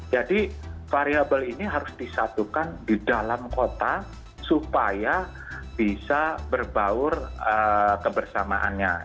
jadi variabel ini harus disatukan di dalam kota supaya bisa berbaur kebersamaannya